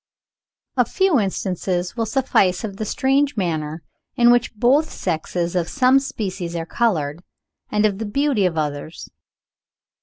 ] A few instances will suffice of the strange manner in which both sexes of some species are coloured, and of the beauty of others.